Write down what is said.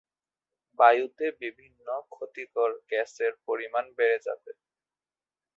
বায়ুতে বিভিন্ন ক্ষতিকর গ্যাসের পরিমাণ বেড়ে যাবে।